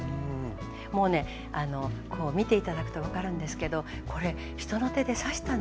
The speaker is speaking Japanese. もうね見て頂くと分かるんですけどこれ人の手で刺したの？